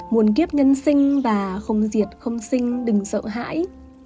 buồn kiếp nhân sinh và không diệt không sinh đừng sợ hãi